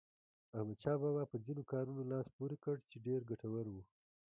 احمدشاه بابا په ځینو کارونو لاس پورې کړ چې ډېر ګټور وو.